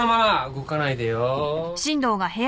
動かないでよ。